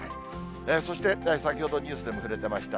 そして先ほどニュースでも触れてました